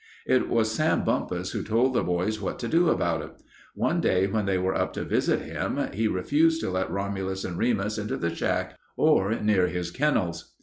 It was Sam Bumpus who told the boys what to do about it. One day, when they went up to visit him, he refused to let Romulus and Remus into the shack or near his kennels.